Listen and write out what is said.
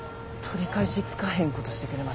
取り返しつかへんことしてくれましたね。